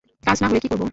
কাজ না হলে কী করবো।